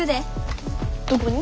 どこに？